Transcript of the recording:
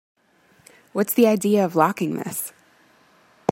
What's the idea of locking this?